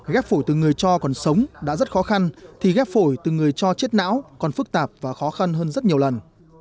ghép phổi từ người cho còn sống đã rất khó khăn thì ghép phổi từ người cho chết não còn phức tạp và khó khăn hơn rất nhiều lần